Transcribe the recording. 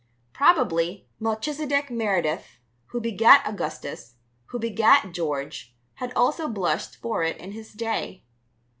Probably, Melchizedek Meredith, who begat Augustus, who begat George, had also blushed for it in his day.